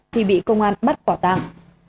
thì bị công an bắt quả tạm